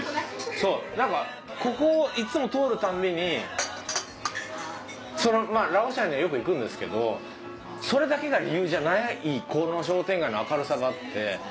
そうここをいつも通るたんびにまあラオシャンにはよく行くんですけどそれだけが理由じゃないこの商店街の明るさがあって。